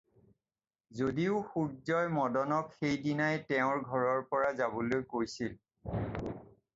যদিও সূৰ্য্যই মদনক সেই দিনাই তেওঁৰ ঘৰৰ পৰা যাবলৈ কৈছিল।